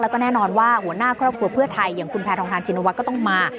แล้วก็แน่นอนว่าหัวหน้าครอบครัวเพื่อไทยอย่างคุณแพทองทานชินวัฒน์ก็ต้องมา